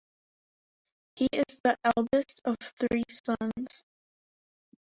He is the eldest of three sons.